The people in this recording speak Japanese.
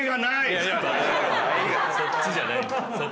そっちじゃないんだよ。